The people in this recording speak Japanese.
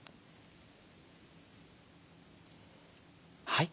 はい。